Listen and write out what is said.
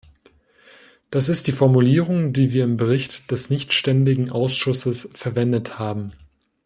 Das ist die Formulierung, die wir im Bericht des nichtständigen Ausschusses verwendet haben.